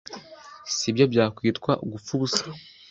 si byo byakwitwa gupfa ubusa.